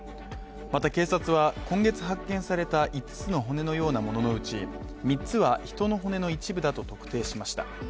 また警察は今月発見された五つの骨のようなもののうち三つは人の骨の一部だと特定しました。